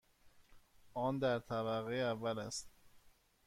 آن در طبقه اول است.